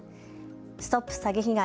ＳＴＯＰ詐欺被害！